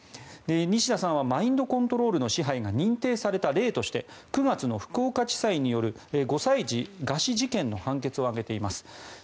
西田さんはマインドコントロールの支配が認定された例として９月の福岡地裁による５歳児餓死事件の判決を挙げています。